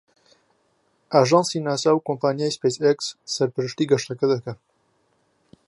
ئاژانسی ناسا و کۆمپانیای سپەیس ئێکس سەرپەرشتی گەشتەکە دەکەن.